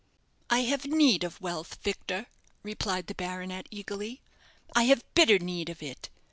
"I have need of wealth, Victor," replied the baronet, eagerly; "I have bitter need of it.